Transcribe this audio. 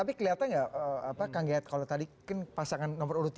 tapi kelihatan nggak kandidat kalau tadi pasangan nomor tiga